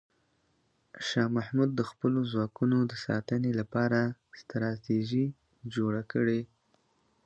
شاه محمود د خپلو ځواکونو د ساتنې لپاره ستراتیژي جوړه کړه.